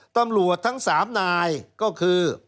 ตำรวจทั้ง๓นายก็คือ